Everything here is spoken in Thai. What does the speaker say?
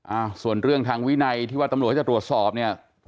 อ่าส่วนเรื่องทางวินัยที่ว่าตำรวจเขาจะตรวจสอบเนี่ย